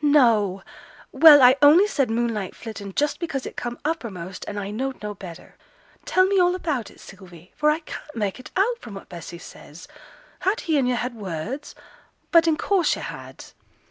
'No! Well, I only said "moonlight flittin'" just because it come uppermost and I knowed no better. Tell me all about it, Sylvie, for I can't mak' it out from what Bessy says. Had he and yo' had words? but in course yo' had.'